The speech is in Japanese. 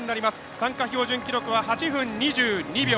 参加標準記録は８分２２秒。